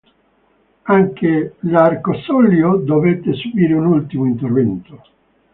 Anche l'”Arcosolio” dovette subire un ultimo intervento.